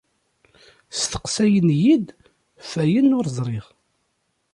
Steqsayen-iyi-d ɣef wayen ur ẓriɣ.